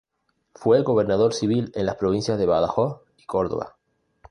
Fue gobernador civil en las provincias de Badajoz y Córdoba.